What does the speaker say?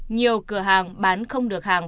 nhiều cửa hàng bán không được hàng